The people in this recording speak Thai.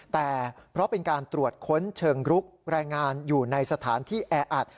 แต่เพราะเป็นการตรวจค้นเชิงรุกแรงงานอยู่ในสถานที่แออัด